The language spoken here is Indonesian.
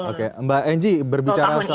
oke mbak enggi berbicara soal